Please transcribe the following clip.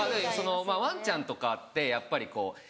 ワンちゃんとかってやっぱりこう。